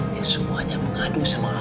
semuanya mengadu sama allah